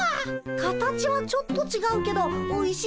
形はちょっとちがうけどおいしそうなプリン！